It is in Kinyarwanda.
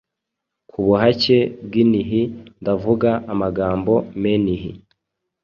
Kubuhake bwinhi ndavuga amagambo menhi